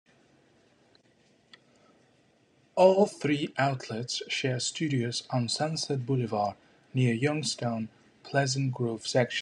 All three outlets share studios on Sunset Boulevard near Youngstown's Pleasant Grove section.